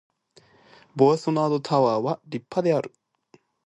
ボワソナードタワーは立派である